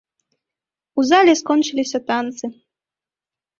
У зале скончыліся танцы.